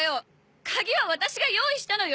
鍵は私が用意したのよ！